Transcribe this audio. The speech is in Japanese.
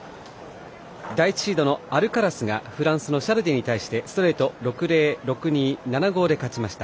第１シードのアルカラスがフランスのシャルディに対してストレートの６−０、６−２７−５で勝ちました。